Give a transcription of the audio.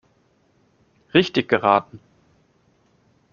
Richtig geraten!